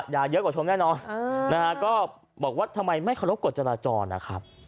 อย่าเยอะกว่าชมแน่นอนนะฮะก็บอกว่าทำไมไม่เคารพกฎจราจรนะครับ